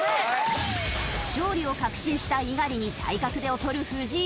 勝利を確信した猪狩に体格で劣る藤井。